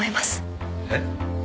えっ？